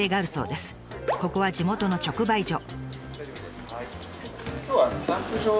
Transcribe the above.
ここは地元の直売所。